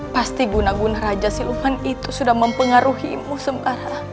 pasti guna guna raja siluman itu sudah mempengaruhimu sembara